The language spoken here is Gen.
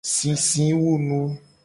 Sisiwunu.